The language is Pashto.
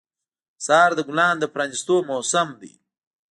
سهار د ګلانو د پرانیستو موسم دی.